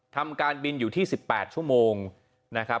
ทำการบินอยู่ที่๑๘ชั่วโมงนะครับ